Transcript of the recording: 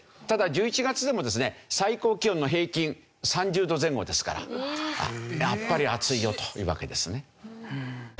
ただ１１月でもですね最高気温の平均３０度前後ですからやっぱり暑いよというわけですね。